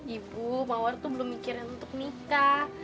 ibu mawar tuh belum mikirin untuk nikah